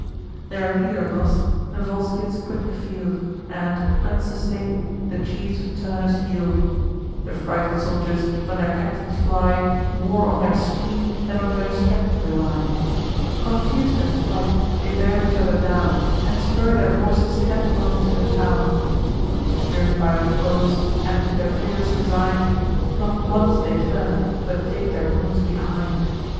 Their leader lost, the Volscians quit the field, And, unsustain'd, the chiefs of Turnus yield. The frighted soldiers, when their captains fly, More on their speed than on their strength rely. Confus'd in flight, they bear each other down, And spur their horses headlong to the town. Driv'n by their foes, and to their fears resign'd, Not once they turn, but take their wounds behind.